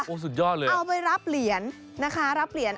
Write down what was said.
โอ้โหสุดยอดเลยเอาไปรับเหรียญนะคะรับเหรียญ